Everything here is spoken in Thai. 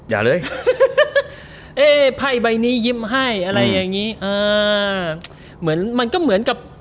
อย่าเลยเอ๊ะไพ่ใบนี้ยิ้มให้อะไรอย่างงี้อ่าเหมือนมันก็เหมือนกับ